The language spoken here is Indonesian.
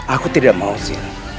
aku tidak mau sir